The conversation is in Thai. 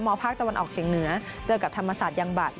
ภาคตะวันออกเฉียงเหนือเจอกับธรรมศาสตร์ยังบัตร